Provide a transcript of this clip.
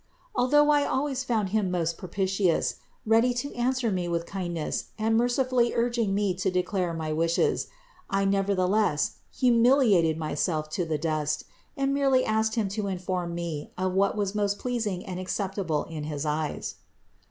Although I always found Him most propitious, ready to answer me with kindness and mercifully urging me to declare my wishes, I nevertheless humiliated myself to the dust and merely asked Him to inform me of what was most pleasing and acceptable in his eyes.